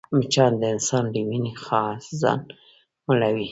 مچان د انسان له وینې ځان مړوي